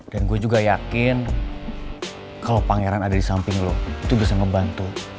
dan gue juga yakin kalo pangeran ada di samping lo itu bisa ngebantu